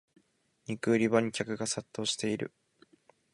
肉売り場に客が殺到してる